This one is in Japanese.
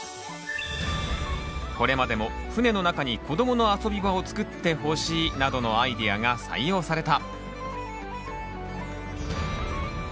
これまでも「船の中に子どもの遊び場を作ってほしい」などのアイデアが採用された。